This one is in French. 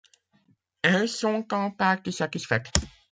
Elles sont en partie satisfaites.